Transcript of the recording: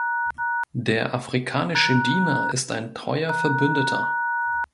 Der afrikanische Diener ist ein treuer Verbündeter.